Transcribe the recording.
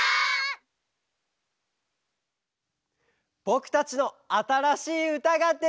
ぼくたちのあたらしいうたができました！